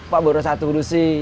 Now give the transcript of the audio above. pak baru satu ngurusi